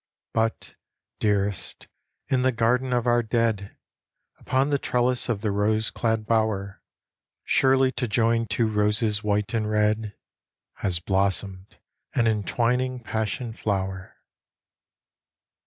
But, dearest, in the garden of our dead, Upon the trellis of the rose clad bower, Surely to join two roses white and red Has blossomed an entwining passion flower.